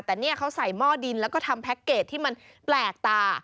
แต่เนี่ยเขาใส่หม้อดินแล้วก็ทำแพ็คเกจที่มันแปลกตา